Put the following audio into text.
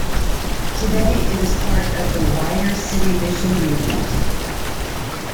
Today it is part of the wider City Mission Movement.